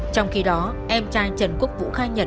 trong khi đó em trai trần quốc vũ khai nhận